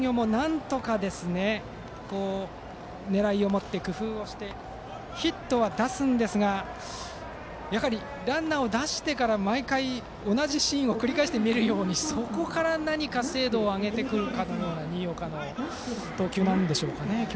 前橋商業もなんとか狙いを持って工夫をしてヒットは出すんですがやはりランナーを出してから毎回同じシーンを繰り返して見えるようにそこから何か精度を上げてくるかのような今日の新岡の投球なんでしょうかね。